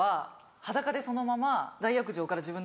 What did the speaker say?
裸でそのまま。